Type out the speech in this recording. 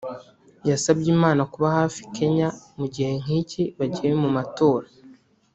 yasabye Imana kuba hafi Kenya mu gihe nk’iki bagiye mu matora